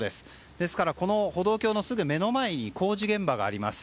ですから、歩道橋のすぐ目の前に工事現場があります。